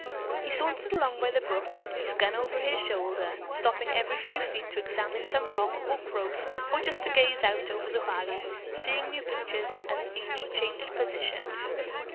He sauntered along by the brook, his gun over his shoulder, stopping every few feet to examine some rock or growth or just to gaze out over the valley, seeing new pictures at each changed position.